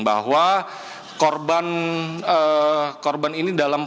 yang bahwa korban ini dalam